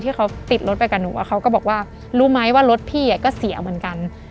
ที่เขาติดรถไปกับหนูเขาก็บอกว่ารู้ไหมว่ารถพี่ก็เสียเหมือนกัน